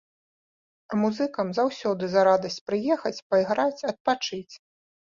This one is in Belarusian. А музыкам заўсёды за радасць прыехаць, пайграць, адпачыць.